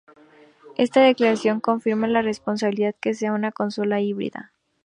Esta declaración confirma la posibilidad de que sea una consola híbrida.